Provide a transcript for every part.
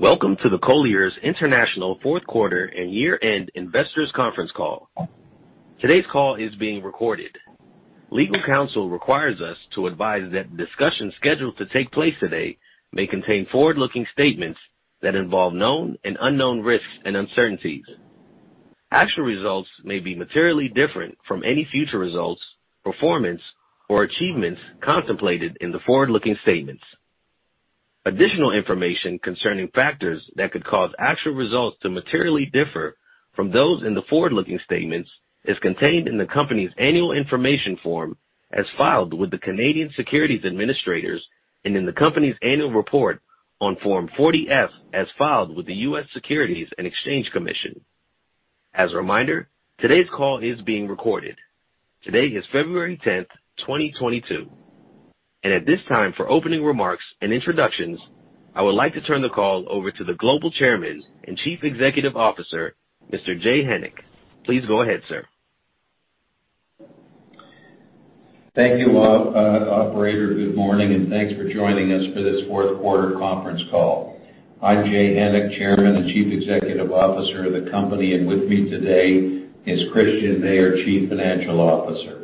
Welcome to the Colliers International Fourth Quarter and Year-End Investors Conference Call. Today's call is being recorded. Legal counsel requires us to advise that the discussion scheduled to take place today may contain forward-looking statements that involve known and unknown risks and uncertainties. Actual results may be materially different from any future results, performance, or achievements contemplated in the forward-looking statements. Additional information concerning factors that could cause actual results to materially differ from those in the forward-looking statements is contained in the company's annual information form, as filed with the Canadian Securities Administrators and in the company's annual report on Form 40-F, as filed with the U.S. Securities and Exchange Commission. As a reminder, today's call is being recorded. Today is February 10, 2022. At this time, for opening remarks and introductions, I would like to turn the call over to the Global Chairman and Chief Executive Officer, Mr. Jay Hennick. Please go ahead, sir. Thank you, operator. Good morning, and thanks for joining us for this Fourth Quarter Conference Call. I'm Jay Hennick, Chairman and Chief Executive Officer of the company. With me today is Christian Mayer, Chief Financial Officer.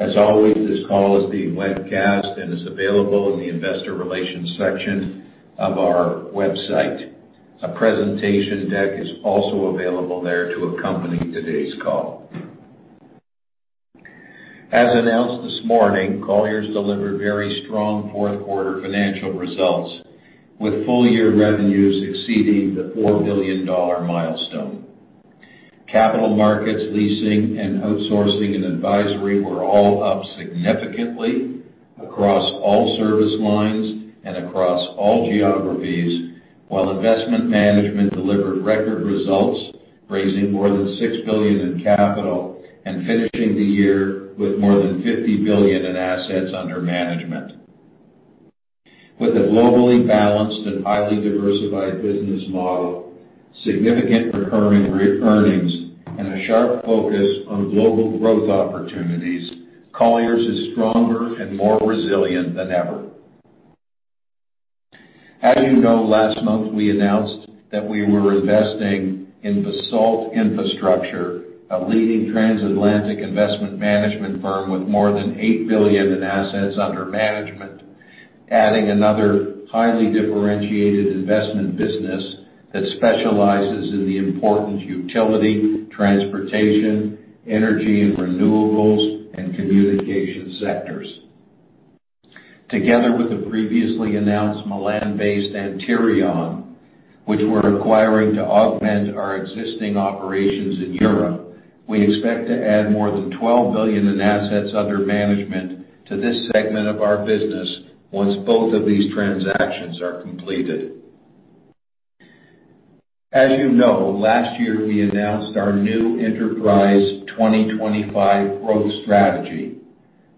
As always, this call is being webcast and is available in the investor relations section of our website. A presentation deck is also available there to accompany today's call. As announced this morning, Colliers delivered very strong fourth quarter financial results, with full year revenues exceeding the $4 billion milestone. Capital Markets, Leasing, and Outsourcing and Advisory were all up significantly across all service lines and across all geographies, while Investment Management delivered record results, raising more than $6 billion in capital and finishing the year with more than $50 billion in assets under management. With a globally balanced and highly diversified business model, significant recurring earnings, and a sharp focus on global growth opportunities, Colliers is stronger and more resilient than ever. As you know, last month, we announced that we were investing in Basalt Infrastructure, a leading transatlantic investment management firm with more than $8 billion in assets under management, adding another highly differentiated investment business that specializes in the important utility, transportation, energy and renewables, and communication sectors. Together with the previously announced Milan-based Antirion, which we're acquiring to augment our existing operations in Europe, we expect to add more than $12 billion in assets under management to this segment of our business once both of these transactions are completed. As you know, last year, we announced our new Enterprise 2025 growth strategy.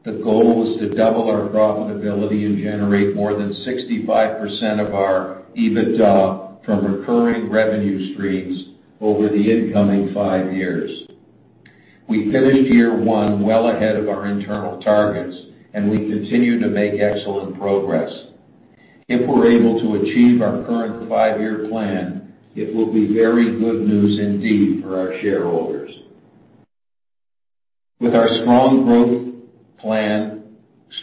The goal was to double our profitability and generate more than 65% of our EBITDA from recurring revenue streams over the coming five years. We finished year one well ahead of our internal targets, and we continue to make excellent progress. If we're able to achieve our current five-year plan, it will be very good news indeed for our shareholders. With our strong growth plan,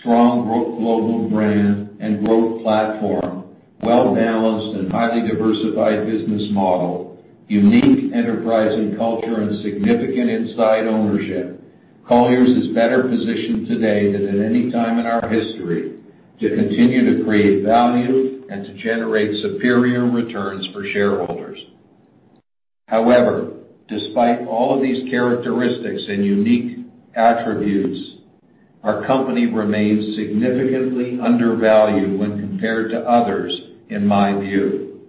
strong growth global brand and growth platform, well-balanced and highly diversified business model, unique enterprising culture and significant inside ownership, Colliers is better positioned today than at any time in our history to continue to create value and to generate superior returns for shareholders. However, despite all of these characteristics and unique attributes, our company remains significantly undervalued when compared to others, in my view.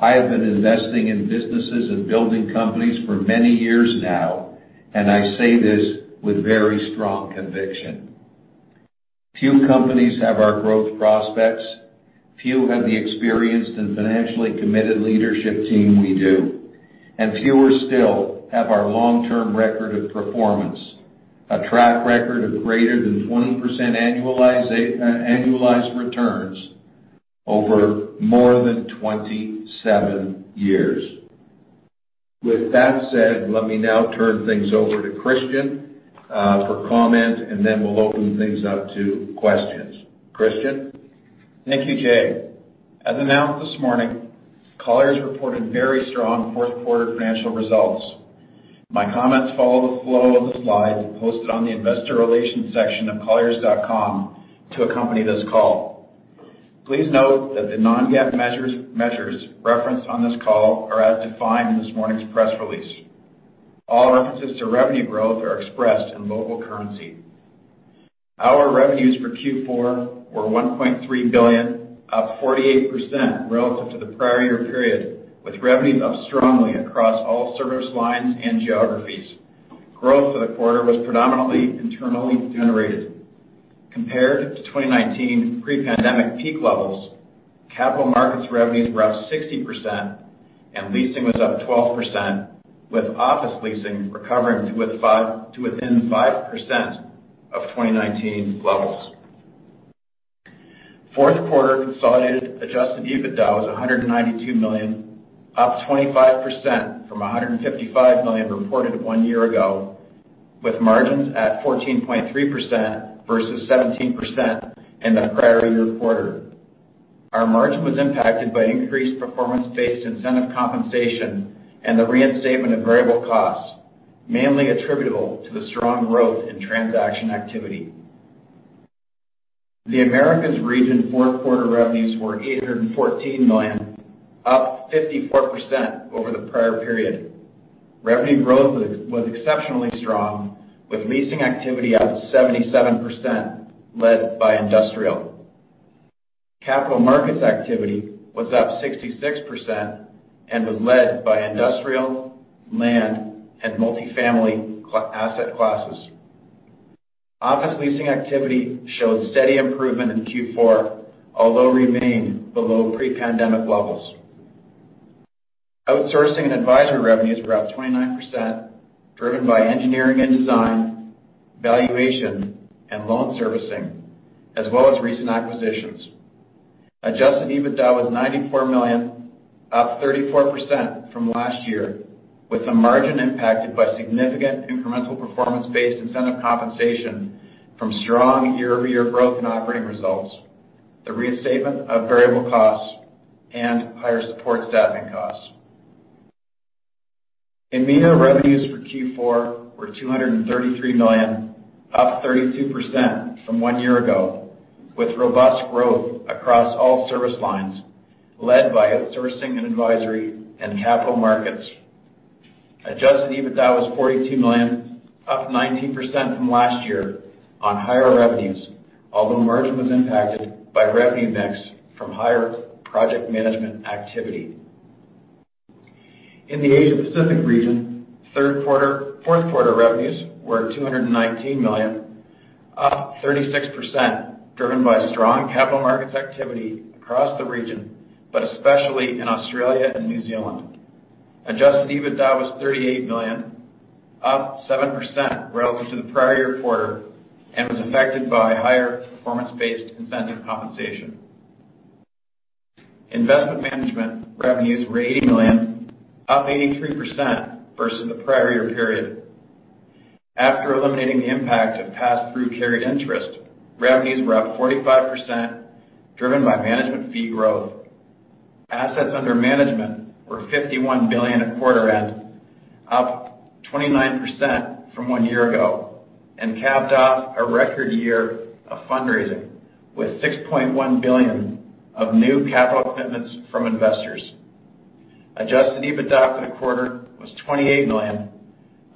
I have been investing in businesses and building companies for many years now, and I say this with very strong conviction. Few companies have our growth prospects. Few have the experienced and financially committed leadership team we do, and fewer still have our long-term record of performance, a track record of greater than 20% annualized returns over more than 27 years. With that said, let me now turn things over to Christian for comment, and then we'll open things up to questions. Christian? Thank you, Jay. As announced this morning, Colliers reported very strong fourth quarter financial results. My comments follow the flow of the slides posted on the investor relations section of colliers.com to accompany this call. Please note that the Non-GAAP measures referenced on this call are as defined in this morning's press release. All references to revenue growth are expressed in local currency. Our revenues for Q4 were $1.3 billion, up 48% relative to the prior year period, with revenues up strongly across all service lines and geographies. Growth for the quarter was predominantly internally generated. Compared to 2019 pre-pandemic peak levels, Capital Markets revenues were up 60%. Leasing was up 12%, with office leasing recovering to within 5% of 2019 levels. Fourth quarter consolidated adjusted EBITDA was $192 million, up 25% from $155 million reported one year ago, with margins at 14.3% versus 17% in the prior year quarter. Our margin was impacted by increased performance-based incentive compensation and the reinstatement of variable costs, mainly attributable to the strong growth in transaction activity. The Americas region fourth quarter revenues were $814 million, up 54% over the prior period. Revenue growth was exceptionally strong, with Leasing activity up 77% led by industrial. Capital Markets activity was up 66% and was led by industrial, land, and multi-family asset classes. Office Leasing activity showed steady improvement in Q4, although remained below pre-pandemic levels. Outsourcing and Advisory revenues were up 29%, driven by engineering and design, valuation, and loan servicing, as well as recent acquisitions. Adjusted EBITDA was $94 million, up 34% from last year, with the margin impacted by significant incremental performance-based incentive compensation from strong year-over-year growth in operating results, the reinstatement of variable costs, and higher support staffing costs. In EMEA, revenues for Q4 were $233 million, up 32% from one year ago, with robust growth across all service lines led by Outsourcing and Advisory and Capital Markets. Adjusted EBITDA was $42 million, up 19% from last year on higher revenues, although margin was impacted by revenue mix from higher project management activity. In the Asia Pacific region, fourth quarter revenues were $219 million, up 36%, driven by strong capital markets activity across the region, but especially in Australia and New Zealand. Adjusted EBITDA was $38 million, up 7% relative to the prior year quarter and was affected by higher performance-based incentive compensation. Investment Management revenues were $80 million, up 83% versus the prior year period. After eliminating the impact of pass-through carried interest, revenues were up 45% driven by management fee growth. Assets under management were $51 billion at quarter end, up 29% from one year ago, and capped off a record year of fundraising with $6.1 billion of new capital commitments from investors. Adjusted EBITDA for the quarter was $28 million,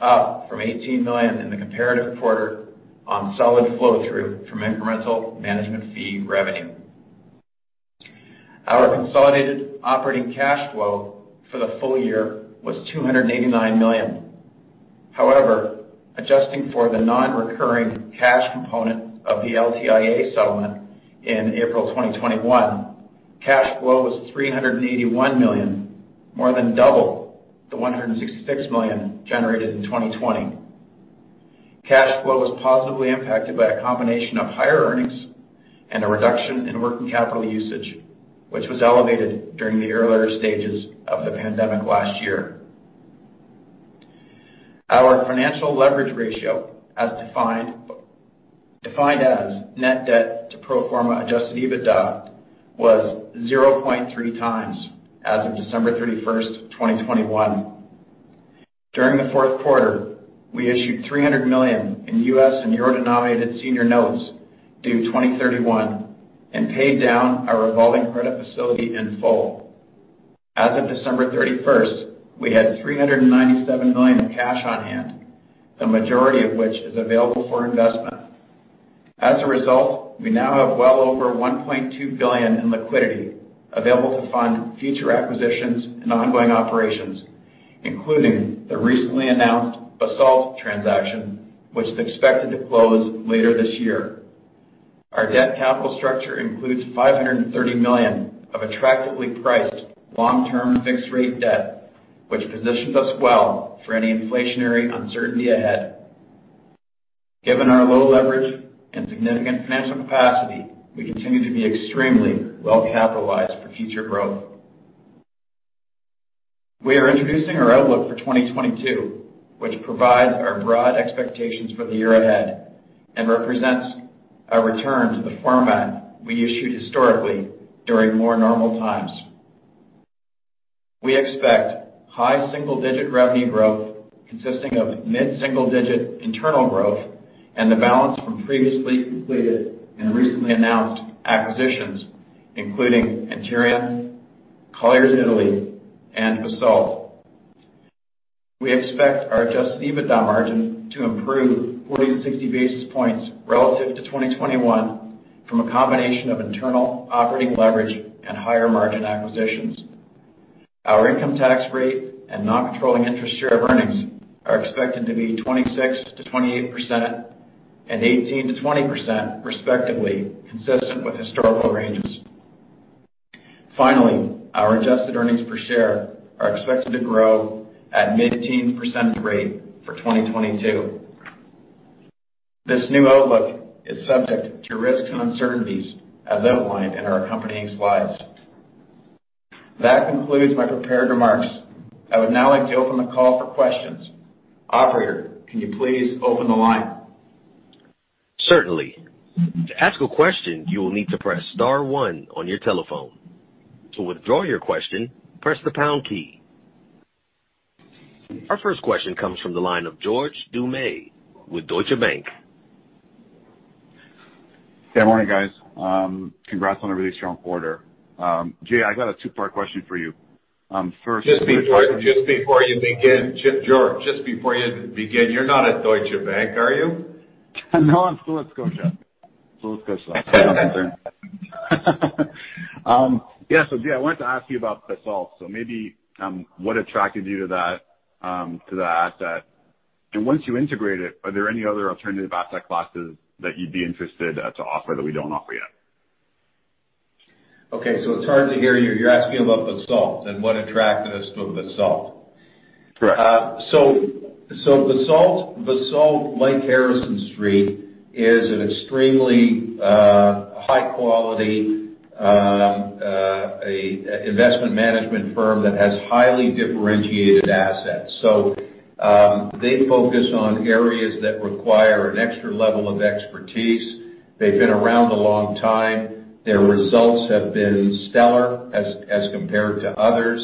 up from $18 million in the comparative quarter on solid flow-through from incremental management fee revenue. Our consolidated operating cash flow for the full year was $289 million. However, adjusting for the non-recurring cash component of the LTIA settlement in April 2021, cash flow was $381 million, more than double the $166 million generated in 2020. Cash flow was positively impacted by a combination of higher earnings and a reduction in working capital usage, which was elevated during the earlier stages of the pandemic last year. Our financial leverage ratio, as defined as net debt to pro forma adjusted EBITDA, was 0.3 times as of December 31, 2021. During the fourth quarter, we issued $300 million in US and euro-denominated senior notes due 2031 and paid down our revolving credit facility in full. As of December 31, we had $397 million in cash on hand, the majority of which is available for investment. As a result, we now have well over $1.2 billion in liquidity available to fund future acquisitions and ongoing operations, including the recently announced Basalt transaction, which is expected to close later this year. Our debt capital structure includes $530 million of attractively priced long-term fixed rate debt, which positions us well for any inflationary uncertainty ahead. Given our low leverage and significant financial capacity, we continue to be extremely well capitalized for future growth. We are introducing our outlook for 2022, which provides our broad expectations for the year ahead and represents a return to the format we issued historically during more normal times. We expect high single-digit revenue growth consisting of mid-single digit internal growth and the balance from previously completed and recently announced acquisitions, including Antirion, Colliers Italy, and Basalt. We expect our adjusted EBITDA margin to improve 40-60 basis points relative to 2021 from a combination of internal operating leverage and higher margin acquisitions. Our income tax rate and non-controlling interest share of earnings are expected to be 26%-28% and 18%-20% respectively consistent with historical ranges. Finally, our adjusted earnings per share are expected to grow at mid-teen percentage rate for 2022. This new outlook is subject to risks and uncertainties as outlined in our accompanying slides. That concludes my prepared remarks. I would now like to open the call for questions. Operator, can you please open the line? Certainly. To ask a question, you will need to press star one on your telephone. To withdraw your question, press the pound key. Our first question comes from the line of George Doumet with Scotiabank. Good morning, guys. Congrats on a really strong quarter. Jay, I got a two-part question for you. First Just before you begin, George, you're not at Deutsche Bank, are you? No, I'm still at Scotiabank. Yeah, Jay, I wanted to ask you about Basalt. Maybe, what attracted you to that, to the asset? Once you integrate it, are there any other alternative asset classes that you'd be interested to offer that we don't offer yet? Okay, it's hard to hear you. You're asking about Basalt and what attracted us to Basalt. Correct. Basalt, like Harrison Street, is an extremely high quality investment management firm that has highly differentiated assets. They focus on areas that require an extra level of expertise. They've been around a long time. Their results have been stellar as compared to others.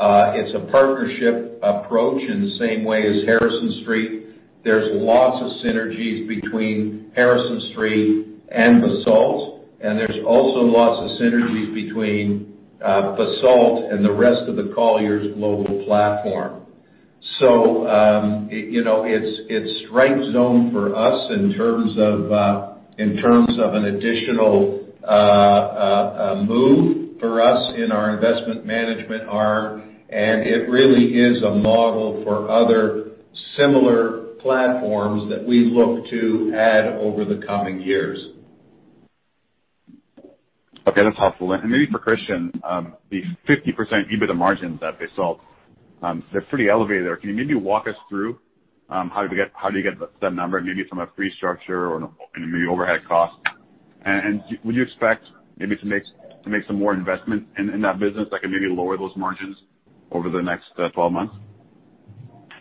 It's a partnership approach in the same way as Harrison Street. There's lots of synergies between Harrison Street and Basalt, and there's also lots of synergies between Basalt and the rest of the Colliers global platform. You know, it's right zone for us in terms of an additional move for us in our investment management arm, and it really is a model for other similar platforms that we look to add over the coming years. Okay, that's helpful. Maybe for Christian, the 50% EBITDA margins at Basalt, they're pretty elevated there. Can you maybe walk us through how do you get the number? Maybe it's from a restructure or maybe overhead cost. Would you expect maybe to make some more investment in that business that can maybe lower those margins over the next 12 months?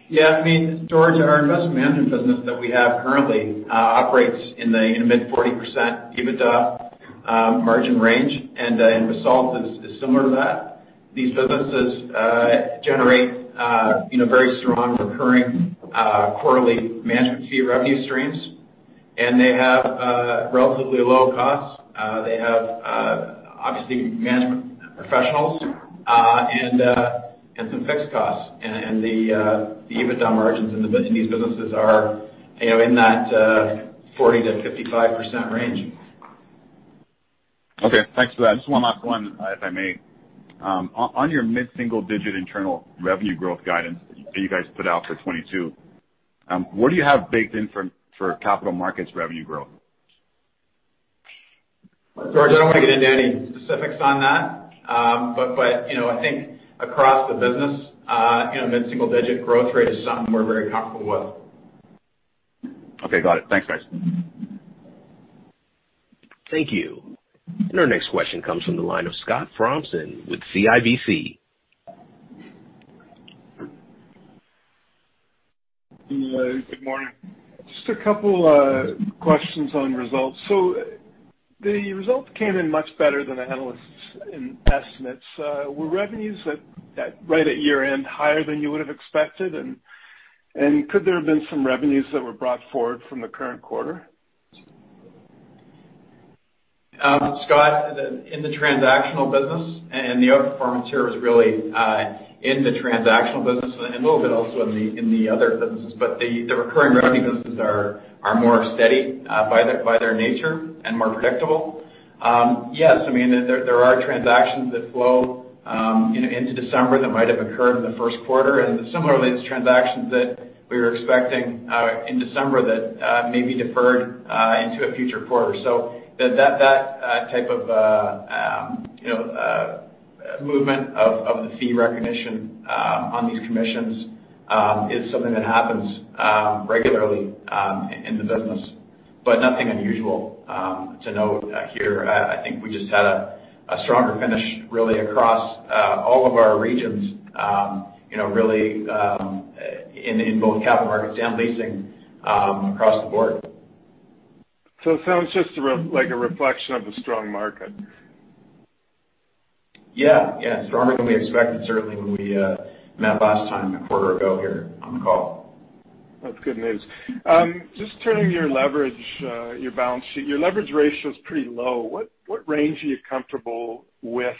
Yeah. I mean, George, our Investment Management business that we have currently operates in the mid-40% EBITDA margin range, and Basalt is similar to that. These businesses generate you know very strong recurring quarterly management fee revenue streams, and they have relatively low costs. They have obviously management professionals and some fixed costs. The EBITDA margins in these businesses are you know in that 40%-55% range. Okay. Thanks for that. Just one last one, if I may. On your mid-single digit internal revenue growth guidance that you guys put out for 2022, what do you have baked in for Capital Markets revenue growth? George, I don't wanna get into any specifics on that. You know, I think across the business, you know, mid-single digit growth rate is something we're very comfortable with. Okay. Got it. Thanks, guys. Thank you. Our next question comes from the line of Scott Fromson with CIBC. Yeah. Good morning. Just a couple questions on results. The results came in much better than the analysts' estimates. Were revenues right at year-end higher than you would have expected? Could there have been some revenues that were brought forward from the current quarter? Scott, in the transactional business, and the outperformance here was really in the transactional business and a little bit also in the other businesses. The recurring revenue businesses are more steady by their nature and more predictable. Yes, I mean, there are transactions that flow, you know, into December that might have occurred in the first quarter, and similarly, there's transactions that we were expecting in December that may be deferred into a future quarter. That type of you know movement of the fee recognition on these commissions is something that happens regularly in the business, but nothing unusual to note here. I think we just had a stronger finish really across all of our regions, you know, really in both Capital Markets and Leasing across the board. It sounds just a reflection of the strong market. Yeah. Yeah. Stronger than we expected certainly when we met last time a quarter ago here on the call. That's good news. Just turning to your leverage, your balance sheet. Your leverage ratio is pretty low. What range are you comfortable with?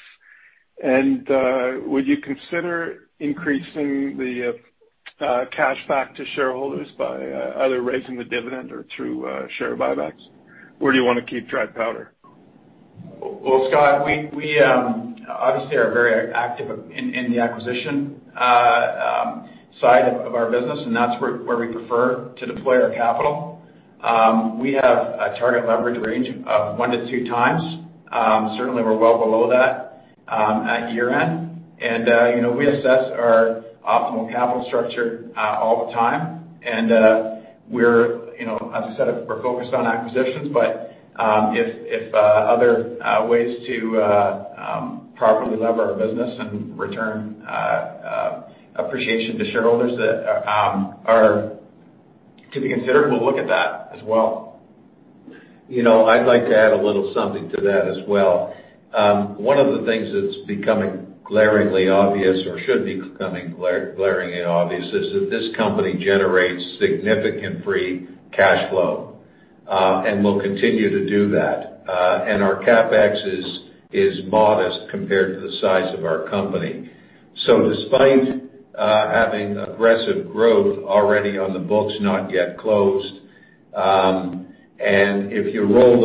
Would you consider increasing the cash back to shareholders by either raising the dividend or through share buybacks, or do you wanna keep dry powder? Well, Scott, we obviously are very active in the acquisition side of our business, and that's where we prefer to deploy our capital. We have a target leverage range of 1-2 times. Certainly, we're well below that at year-end. You know, we assess our optimal capital structure all the time, and we're, you know, as I said, we're focused on acquisitions. If other ways to properly lever our business and return appreciation to shareholders that are to be considered, we'll look at that as well. You know, I'd like to add a little something to that as well. One of the things that's becoming glaringly obvious or should be becoming glaringly obvious is that this company generates significant free cash flow, and will continue to do that. Our CapEx is modest compared to the size of our company. Despite having aggressive growth already on the books, not yet closed, and if you roll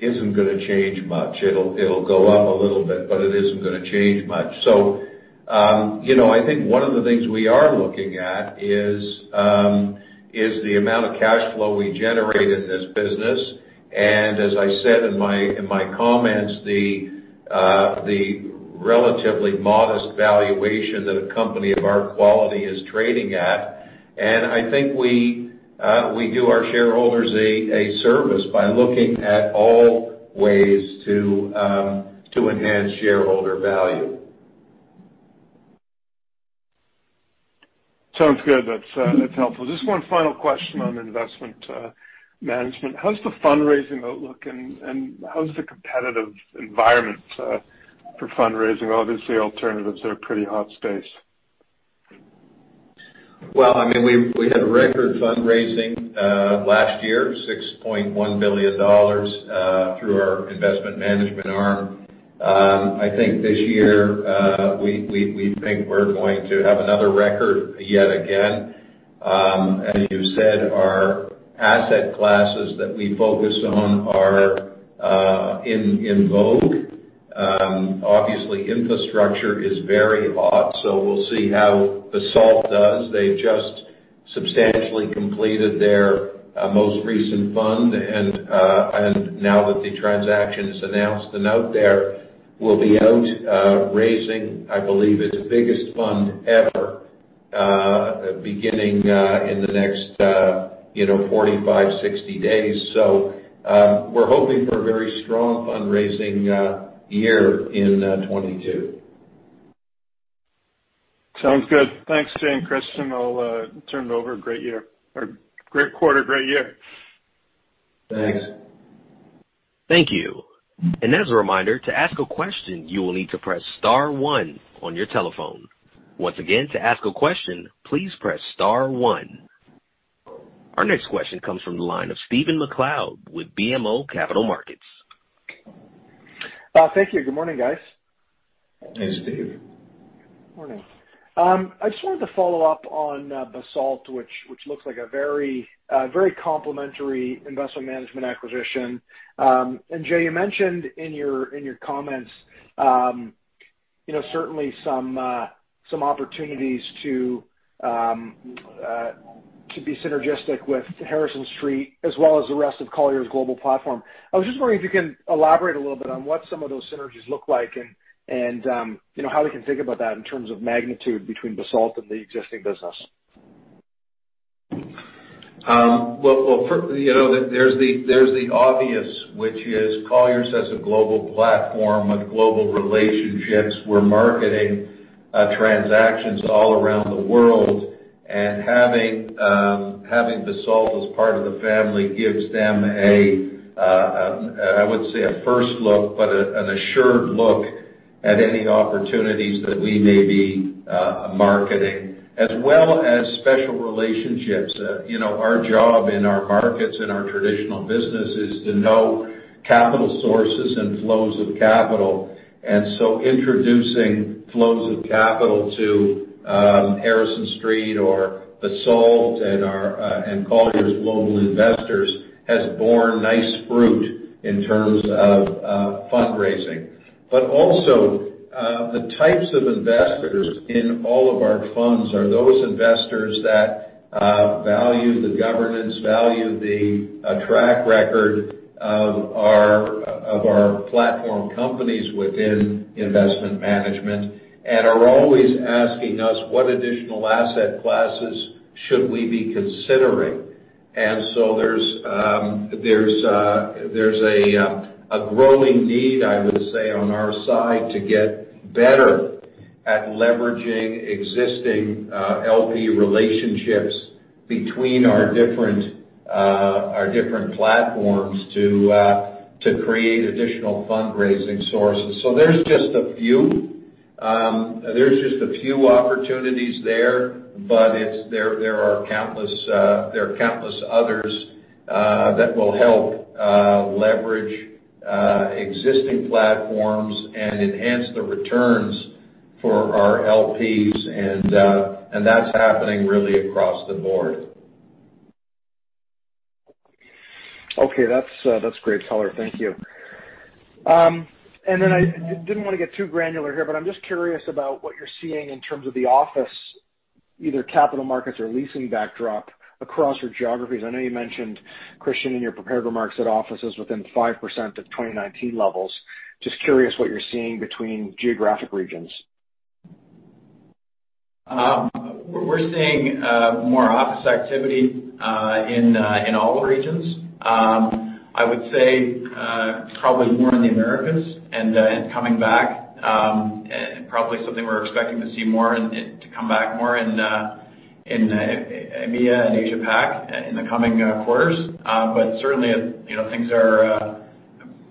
those things forward, our leverage ratio isn't gonna change much. It'll go up a little bit, but it isn't gonna change much. You know, I think one of the things we are looking at is the amount of cash flow we generate in this business, and as I said in my comments, the relatively modest valuation that a company of our quality is trading at. I think we do our shareholders a service by looking at all ways to enhance shareholder value. Sounds good. That's helpful. Just one final question on investment management. How's the fundraising outlook and how's the competitive environment for fundraising? Obviously, alternatives are a pretty hot space. Well, I mean, we had record fundraising last year, $6.1 billion through our Investment Management arm. I think this year, we think we're going to have another record yet again. As you said, our asset classes that we focus on are in vogue. Obviously, infrastructure is very hot, so we'll see how Basalt does. They've just substantially completed their most recent fund and now that the transaction is announced, the team there will be out raising, I believe, its biggest fund ever, beginning in the next 45-60 days. We're hoping for a very strong fundraising year in 2022. Sounds good. Thanks, Jay and Christian. I'll turn it over. Great year or great quarter. Great year. Thanks. Thanks. Thank you. As a reminder, to ask a question, you will need to press star one on your telephone. Once again, to ask a question, please press star one. Our next question comes from the line of Stephen MacLeod with BMO Capital Markets. Thank you. Good morning, guys. Hey, Steven. Morning. I just wanted to follow up on Basalt, which looks like a very complementary investment management acquisition. Jay, you mentioned in your comments, you know, certainly some opportunities to be synergistic with Harrison Street as well as the rest of Colliers' global platform. I was just wondering if you can elaborate a little bit on what some of those synergies look like and, you know, how we can think about that in terms of magnitude between Basalt and the existing business. Well, you know, there's the obvious, which is Colliers has a global platform with global relationships. We're marketing transactions all around the world. Having Basalt as part of the family gives them a look. I wouldn't say a first look, but an assured look at any opportunities that we may be marketing, as well as special relationships. You know, our job in our markets and our traditional business is to know capital sources and flows of capital. Introducing flows of capital to Harrison Street or Basalt and Colliers' global investors has borne nice fruit in terms of fundraising. The types of investors in all of our funds are those investors that value the governance, track record of our platform companies within Investment Management, and are always asking us what additional asset classes should we be considering. There's a growing need, I would say, on our side to get better at leveraging existing LP relationships between our different platforms to create additional fundraising sources. There's just a few opportunities there, but there are countless others that will help leverage existing platforms and enhance the returns for our LPs and that's happening really across the board. Okay. That's great color. Thank you. I didn't wanna get too granular here, but I'm just curious about what you're seeing in terms of the office, either Capital Markets or Leasing backdrop across your geographies. I know you mentioned, Christian, in your prepared remarks that office is within 5% of 2019 levels. Just curious what you're seeing between geographic regions. We're seeing more office activity in all regions. I would say probably more in the Americas and coming back, and probably something we're expecting to see more and it to come back more in EMEA and Asia Pac in the coming quarters. Certainly, you know, things are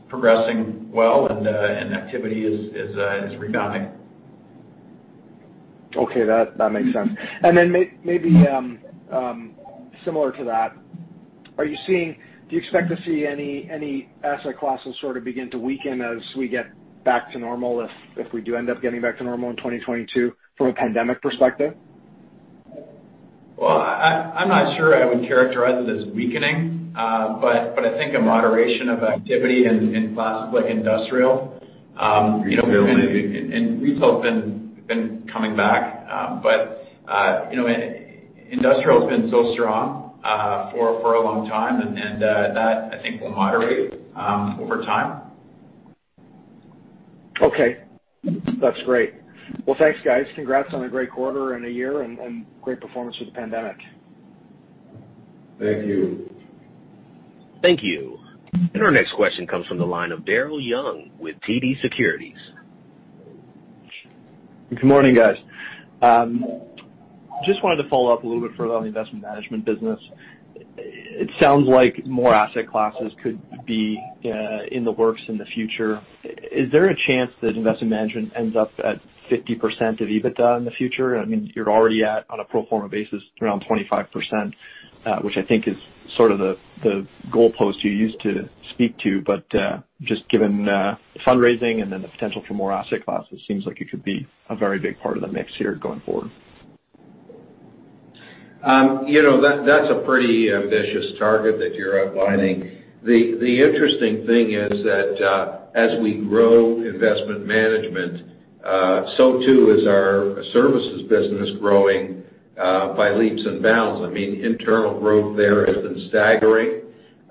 progressing well and activity is rebounding. Okay. That makes sense. Maybe similar to that, do you expect to see any asset classes sort of begin to weaken as we get back to normal if we do end up getting back to normal in 2022 from a pandemic perspective? Well, I'm not sure I would characterize it as weakening, but I think a moderation of activity in classes like industrial, you know, and retail have been coming back. But you know, industrial has been so strong, for a long time, and that I think will moderate, over time. Okay. That's great. Well, thanks, guys. Congrats on a great quarter and a year and great performance through the pandemic. Thank you. Thank you. Our next question comes from the line of Daryl Young with TD Securities. Good morning, guys. Just wanted to follow up a little bit further on the Investment Management business. It sounds like more asset classes could be in the works in the future. Is there a chance that Investment Management ends up at 50% of EBITDA in the future? I mean, you're already at, on a pro forma basis, around 25%, which I think is sort of the goalpost you used to speak to. Just given the fundraising and then the potential for more asset classes, it seems like it could be a very big part of the mix here going forward. You know, that's a pretty ambitious target that you're outlining. The interesting thing is that as we grow Investment Management, so too is our services business growing by leaps and bounds. I mean, internal growth there has been staggering.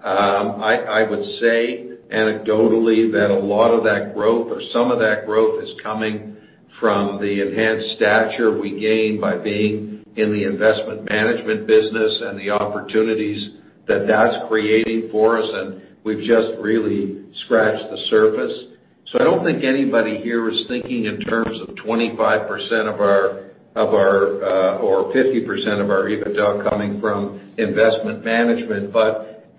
I would say anecdotally that a lot of that growth or some of that growth is coming from the enhanced stature we gain by being in the Investment Management business and the opportunities that that's creating for us, and we've just really scratched the surface. So I don't think anybody here is thinking in terms of 25% of our or 50% of our EBITDA coming from Investment Management.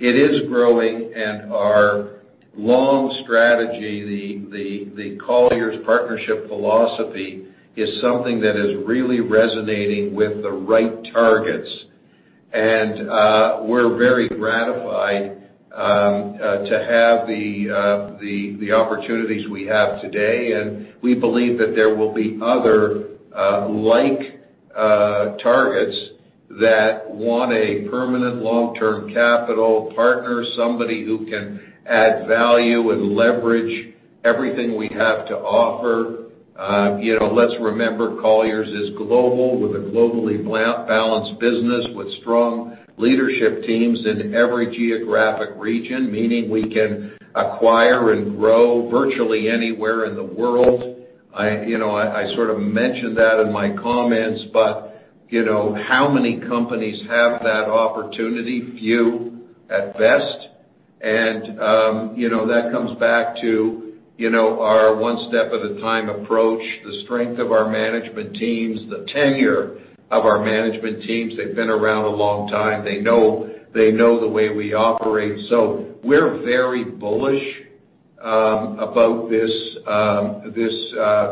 It is growing, and our long strategy, the Colliers partnership philosophy, is something that is really resonating with the right targets. We're very gratified to have the opportunities we have today. We believe that there will be other, like, targets that want a permanent long-term capital partner, somebody who can add value and leverage everything we have to offer. You know, let's remember, Colliers is global, with a globally balanced business, with strong leadership teams in every geographic region, meaning we can acquire and grow virtually anywhere in the world. I you know sort of mentioned that in my comments, but you know, how many companies have that opportunity? Few at best. You know, that comes back to you know, our one step at a time approach, the strength of our management teams, the tenure of our management teams. They've been around a long time. They know the way we operate. We're very bullish about this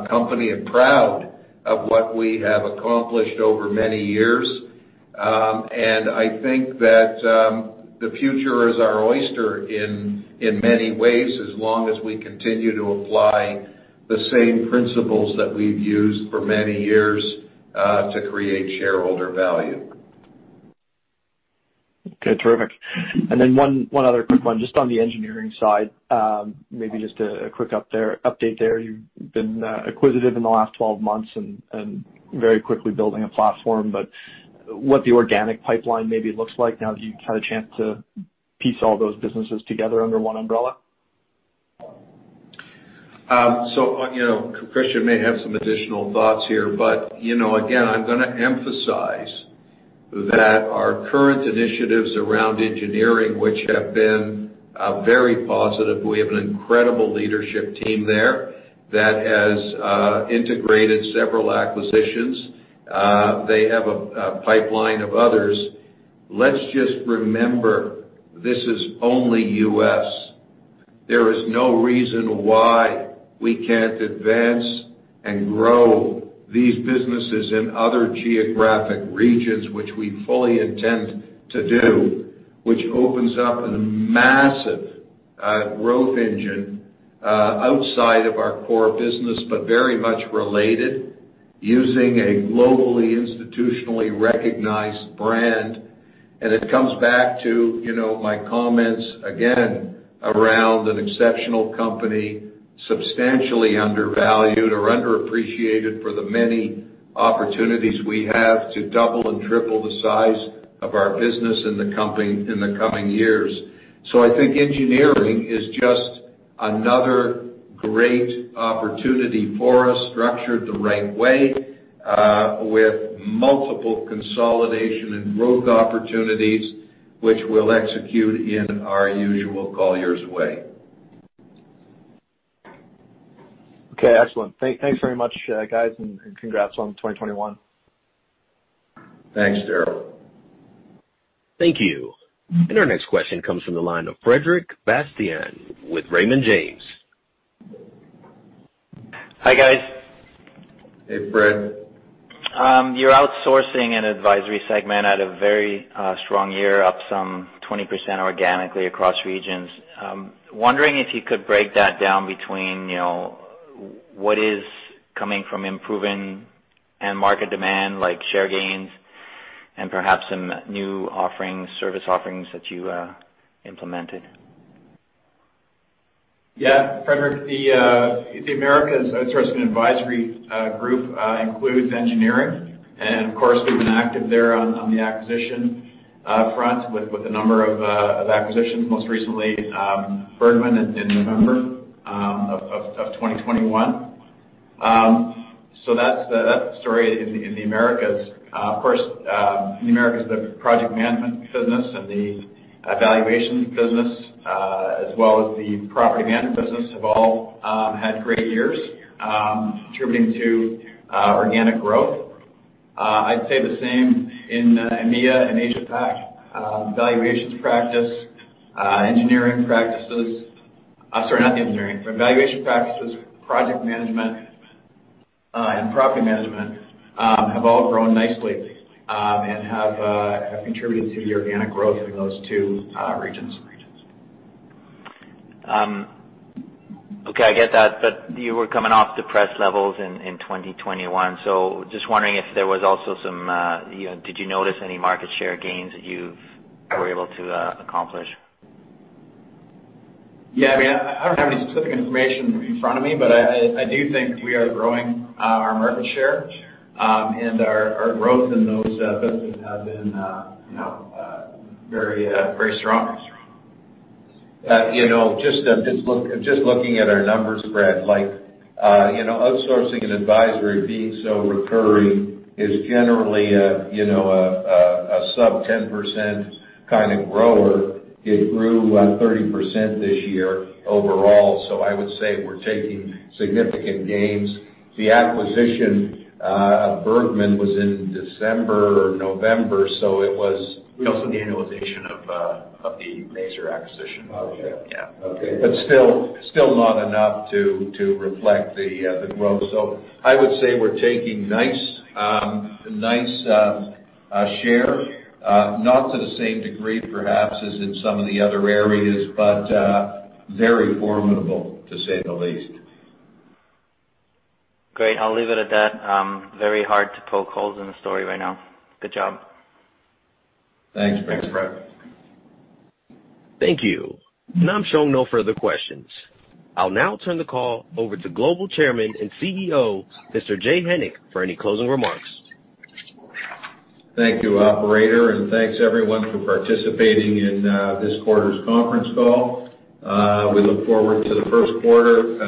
company and proud of what we have accomplished over many years. I think that the future is our oyster in many ways, as long as we continue to apply the same principles that we've used for many years to create shareholder value. Okay. Terrific. One other quick one, just on the engineering side. Maybe just a quick update there. You've been acquisitive in the last 12 months and very quickly building a platform. What the organic pipeline maybe looks like now that you've had a chance to piece all those businesses together under one umbrella. So, you know, Christian Mayer may have some additional thoughts here, but, you know, again, I'm gonna emphasize that our current initiatives around engineering, which have been very positive. We have an incredible leadership team there that has integrated several acquisitions. They have a pipeline of others. Let's just remember, this is only U.S. There is no reason why we can't advance and grow these businesses in other geographic regions, which we fully intend to do, which opens up a massive growth engine outside of our core business, but very much related, using a globally institutionally recognized brand. It comes back to, you know, my comments again around an exceptional company, substantially undervalued or underappreciated for the many opportunities we have to double and triple the size of our business in the coming years. I think engineering is just another great opportunity for us, structured the right way, with multiple consolidation and growth opportunities which we'll execute in our usual Colliers way. Okay, excellent. Thanks very much, guys, and congrats on 2021. Thanks, Daryl. Thank you. Our next question comes from the line of Frederic Bastien with Raymond James. Hi, guys. Hey, Fred. Your Outsourcing and Advisory segment had a very strong year, up some 20% organically across regions. Wondering if you could break that down between, you know, what is coming from improving market demand, like share gains and perhaps some new offerings, service offerings that you implemented. Yeah, Frederic, the Americas outsourcing advisory group includes engineering. Of course, we've been active there on the acquisition front with a number of acquisitions, most recently Bergmann in November of 2021. So that's the story in the Americas. Of course, in the Americas, the project management business and the valuations business, as well as the property management business have all had great years, contributing to organic growth. I'd say the same in EMEA and Asia Pac, valuations practice, engineering practices. Sorry, not the engineering. Valuation practices, project management, and property management have all grown nicely, and have contributed to the organic growth in those two regions. Okay, I get that, but you were coming off depressed levels in 2021, so just wondering if there was also some, you know, did you notice any market share gains you were able to accomplish? Yeah. I mean, I don't have any specific information in front of me, but I do think we are growing our market share, and our growth in those business have been, you know, very strong. You know, just looking at our numbers, Fred, like, you know, Outsourcing and Advisory being so recurring is generally a sub-10% kinda grower. It grew 30% this year overall, so I would say we're taking significant gains. The acquisition of Bergmann was in December or November, so it was It was the annualization of the Maser acquisition. Oh, okay. Yeah. Okay. Still not enough to reflect the growth. I would say we're taking nice share. Not to the same degree perhaps as in some of the other areas, but very formidable, to say the least. Great. I'll leave it at that. Very hard to poke holes in the story right now. Good job. Thanks. Thanks, Fred. Thank you. I'm showing no further questions. I'll now turn the call over to Global Chairman and CEO, Mr. Jay Hennick, for any closing remarks. Thank you, operator, and thanks everyone for participating in this quarter's conference call. We look forward to the first quarter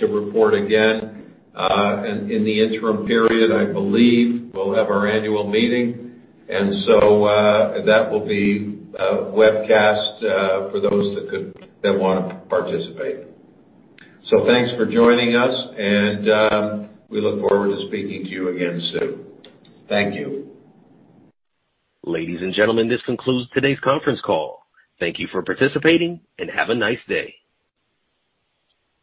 to report again. In the interim period, I believe we'll have our annual meeting. That will be webcast for those that wanna participate. Thanks for joining us, and we look forward to speaking to you again soon. Thank you. Ladies and gentlemen, this concludes today's conference call. Thank you for participating, and have a nice day.